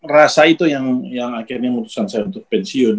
rasa itu yang akhirnya memutuskan saya untuk pensiun